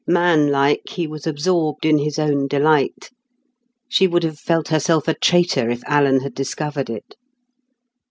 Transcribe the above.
Man like, he was absorbed in his own delight. She would have felt herself a traitor if Alan had discovered it.